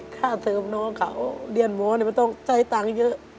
ค่าเสริมน้องเขาเรียนหมอมันต้องใช้ตังค์เยอะ